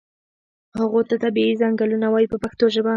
هغو ته طبیعي څنګلونه وایي په پښتو ژبه.